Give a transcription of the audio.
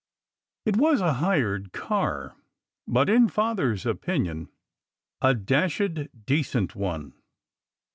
It was a hired car, but, in Father s opinion, a dashed decent one.